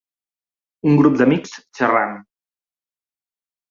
Un grup d'amics xerrant.